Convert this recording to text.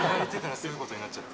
すごいことになっちゃって。